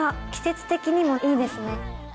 季節的にもいいですね。